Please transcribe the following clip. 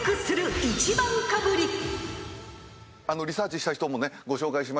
リサーチした人もねご紹介しましょう。